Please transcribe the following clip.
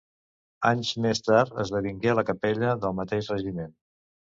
Anys més tard esdevingué la capella del mateix regiment.